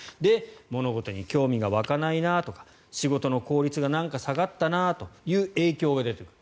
物事に興味が湧かないなとか仕事の効率が下がったなという影響が出てくる。